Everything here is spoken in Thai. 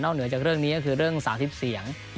เหนือจากเรื่องนี้ก็คือเรื่อง๓๐เสียง